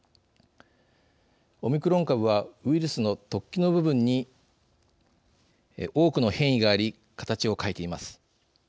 オミクロン株はウイルスの突起の部分に多くの変異があり形を変えています。